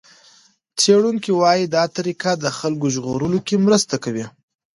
څېړونکي وايي دا طریقه د خلکو ژغورلو کې مرسته کوي.